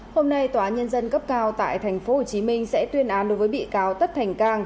hôm nay tòa nhân dân cấp cao tại tp hcm sẽ tuyên án đối với bị cáo tất thành cang